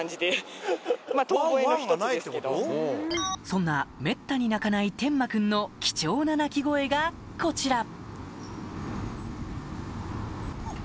そんなめったに鳴かない天馬くんの貴重な鳴き声がこちら！